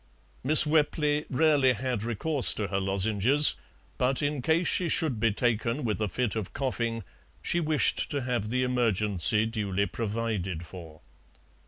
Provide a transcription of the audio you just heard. Miss Wepley rarely had recourse to her lozenges, but in case she should be taken with a fit of coughing she wished to have the emergency duly provided for.